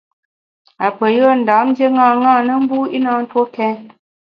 Apeyùe Ndam ndié ṅaṅâ na, mbu i na ntue kèn.